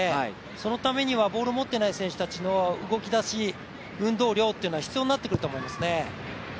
そのためにはボール持っていない選手の動き出し運動量っていうのは必要になってくると思いますね。